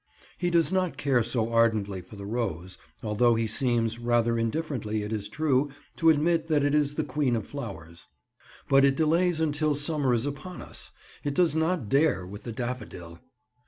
He does not care so ardently for the rose, although he seems, rather indifferently it is true, to admit that it is the queen of flowers. But it delays until summer is upon us. It does not dare with the daffodil.